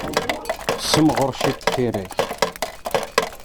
Ssemɣer ciṭ tira-k!